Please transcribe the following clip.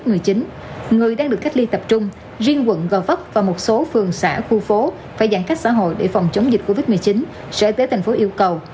người đang được cách ly tập trung riêng quận gò vấp và một số phường xã khu phố phải giãn cách xã hội để phòng chống dịch covid một mươi chín sở y tế tp yêu cầu